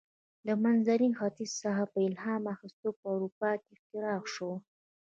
له منځني ختیځ څخه په الهام اخیستو په اروپا کې اختراع شوه.